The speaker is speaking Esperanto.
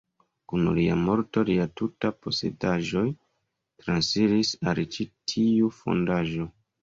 Kun lia morto lia tuta posedaĵoj transiris al ĉi tiu fondaĵo.